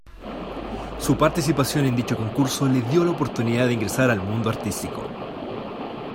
Su participación en dicho concurso le dio la oportunidad de ingresar al mundo artístico.